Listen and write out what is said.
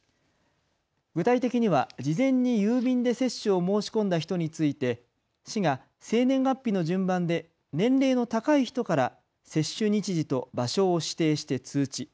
具体的には事前に郵便で接種を申し込んだ人について市が生年月日の順番で年齢の高い人から接種日時と場所を指定して通知。